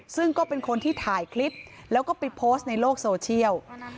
ซึ่งก็เป็นคนที่ถ่ายคลิปแล้วก็ไปโพสต์ในโลกโซเชียล